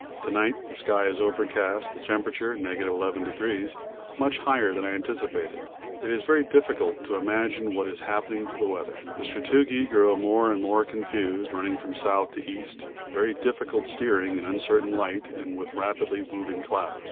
To night the sky is overcast, the temperature ( 11°) much higher than I anticipated; it is very difficult to imagine what is happening to the weather. The sastrugi grow more and more confused, running from S. to E. Very difficult steering in uncertain light and with rapidly moving clouds.